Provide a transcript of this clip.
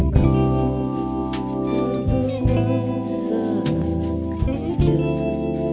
kau tak pernah saat kerja